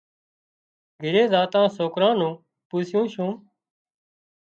گھِري زاتان سوڪران نُون پوسُون سُون۔